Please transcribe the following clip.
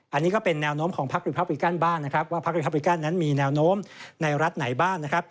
อันนี้ก็เป็นแนวโน้มของพักรีพับริกันบ้างนะครับว่าพักรีพับริกันนั้นมีแนวโน้มในรัฐไหนบ้างนะครับ